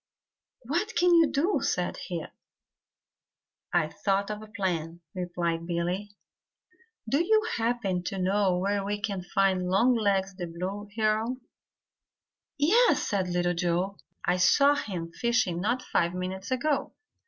"What can we do?" said he. "I've thought of a plan," replied Billy. "Do you happen to know where we can find Longlegs the Blue Heron?" "Yes," said Little Joe. "I saw him fishing not five minutes ago."